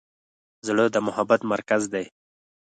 زړه د محبت مرکز دی.